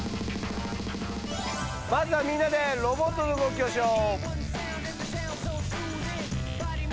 まずはみんなでロボットの動きをしよう！